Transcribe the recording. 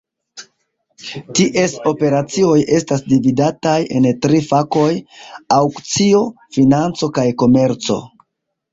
Ties operacioj estas dividataj en tri fakoj: Aŭkcio, Financo, kaj Komerco.